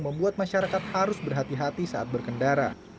membuat masyarakat harus berhati hati saat berkendara